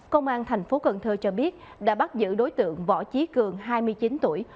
công an tp cn cho biết đã bắt giữ đối tượng võ trí cường hai mươi chín tuổi